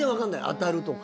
当たるとか。